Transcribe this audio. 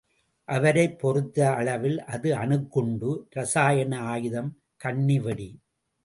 அவரைப் பொறுத்த அளவில், அது அணுகுண்டு, ரசாயன ஆயுதம், கண்ணி வெடி.